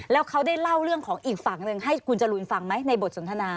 แล้วเขาได้เล่าเรื่องของอีกฝั่งหนึ่งให้คุณจรูนฟังไหมในบทสนทนา